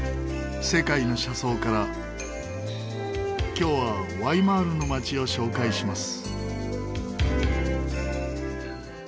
今日はワイマールの街を紹介します。